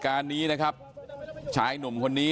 ตำรวจต้องไล่ตามกว่าจะรองรับเหตุได้